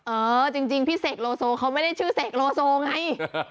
เออจริงพี่เสกโลโซเขาไม่ได้ชื่อเสกโลโซไง